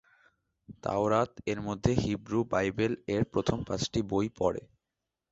তাওরাত-এর মধ্যে হিব্রু বাইবেল-এর প্রথম পাঁচটি বই পড়ে।